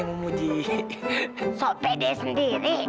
soal pd sendiri